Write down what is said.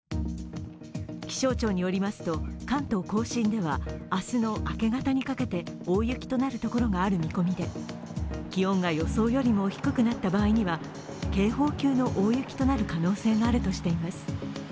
気象庁によりますと、関東甲信では明日の明け方にかけて、大雪となるところがある見込みで気温が予想よりも低くなった場合には警報級の大雪となる可能性があるとしています。